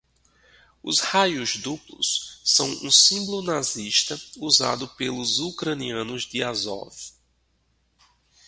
Os raios duplos são um símbolo nazista usado pelos ucranianos de Azov